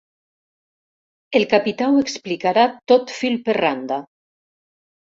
El capità ho explicarà tot fil per randa.